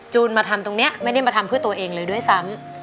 มาทำตรงนี้ไม่ได้มาทำเพื่อตัวเองเลยด้วยซ้ำ